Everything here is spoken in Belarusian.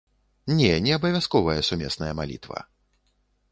Не, не абавязковая сумесная малітва.